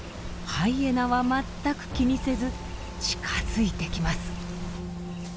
ハイエナは全く気にせず近づいてきます。